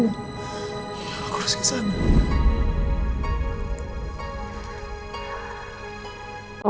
aku harus ke sana